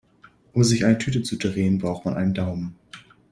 Um sich eine Tüte zu drehen, braucht man einen Daumen.